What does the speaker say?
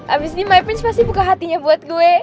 abis ini my prince pasti buka hatinya buat gue